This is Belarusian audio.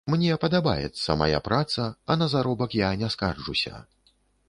Мне падабаецца мая праца, а на заробак я не скарджуся.